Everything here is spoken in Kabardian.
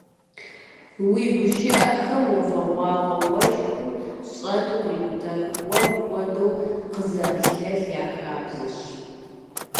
Уи гушыӀэхэм уафэгъуагъуэ уэшхым щӀэту кърикӀутэх уэм хуэдэу къызэрылъэлъ я хабзэщ.